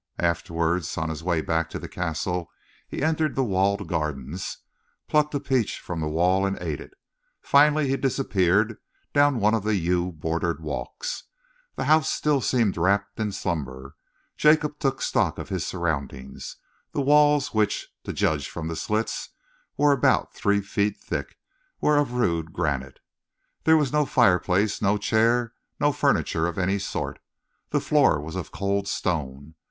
Afterwards, on his way back to the Castle, he entered the walled gardens, plucked a peach from the wall and ate it. Finally he disappeared down one of the yew bordered walks. The house still seemed wrapped in slumber. Jacob took stock of his surroundings. The walls which, to judge from the slits, were about three feet thick, were of rude granite. There was no fireplace, no chair, no furniture of any sort. The floor was of cold stone.